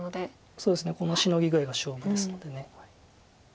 そうですねこのシノギ具合が勝負ですので。